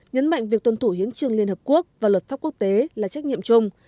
nhấn mạnh việc tuân thủ hiến trương liên hợp quốc và luật pháp quốc tế là trách nhiệm chung